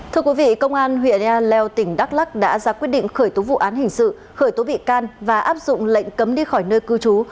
thưa quý vị công an huyện ea leo tỉnh đắk lắc đã ra quyết định khởi tố vụ án hình sự khởi tố bị can và áp dụng lệnh cấm đi khỏi nơi cư trú